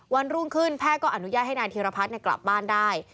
วันรุ่งขึ้นแพทย์ก็อนุญาตให้นายธีรพัฒน์กลับบ้านได้